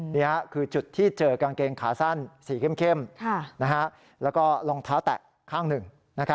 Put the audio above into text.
นี่คือจุดที่เจอกางเกงขาสั้นสีเข้มแล้วก็รองเท้าแตะข้างหนึ่ง